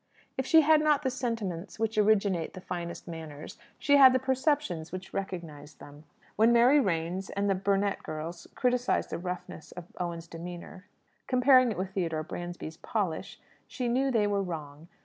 If she had not the sentiments which originate the finest manners, she had the perceptions which recognize them. When Mary Raynes and the Burnet girls criticized the roughness of Owen's demeanour, comparing it with Theodore Bransby's "polish," she knew they were wrong.